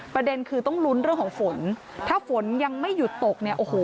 ประเด็นคือต้องลุ้นเรื่องของฝนถ้าฝนยังไม่หยุดตกเนี่ยโอ้โห